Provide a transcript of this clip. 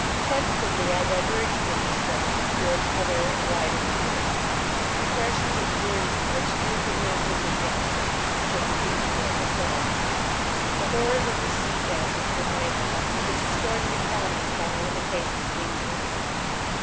Tentatively, I diverged from this subject towards other and wider fields. Impressions of Guernsey, which drew from him his address, at the St. Peter's Port Hotel. The horrors of the sea passage from Weymouth, which extorted a comment on the limitations of England.